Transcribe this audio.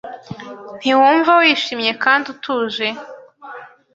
Ntiwumva wishimye kandi utuje?